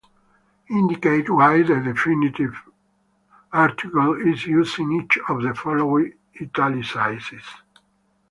Indicate why the definite article is used in each of the following italicized